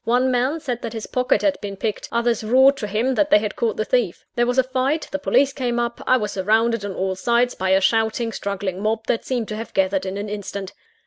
One man said that his pocket had been picked; others roared to him that they had caught the thief. There was a fight the police came up I was surrounded on all sides by a shouting, struggling mob that seemed to have gathered in an instant.